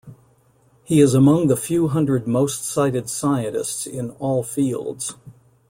He is among the few hundred most-cited scientists in all fields.